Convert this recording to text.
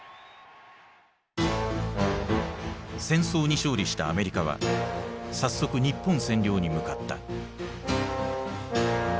戦争に勝利したアメリカは早速日本占領に向かった。